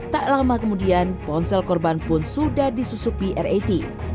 tak lama kemudian ponsel korban pun sudah disusupi rat